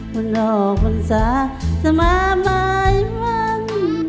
มันโรคมันสาสมามายมัน